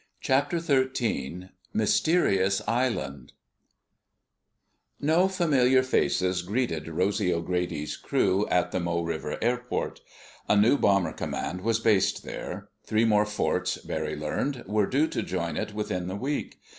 CHAPTER THIRTEEN MYSTERIOUS ISLAND No familiar faces greeted Rosy O'Grady's crew at the Mau River airport. A new bomber command was based there. Three more forts, Barry learned, were due to join it within the week.